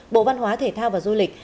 bộ văn hóa thể thao và du lịch